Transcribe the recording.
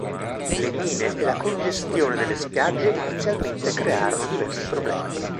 Le mine e la congestione delle spiagge inizialmente crearono diversi problemi.